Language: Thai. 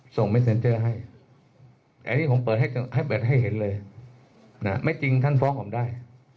ไม่เซ็นเจอร์ให้อันนี้ผมเปิดให้เปิดให้เห็นเลยไม่จริงท่านฟ้องผมได้